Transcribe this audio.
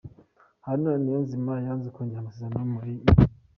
Haruna niyonzima yanze kongera amasezerano muri Yanga